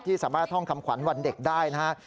สามารถท่องคำขวัญวันเด็กได้นะครับ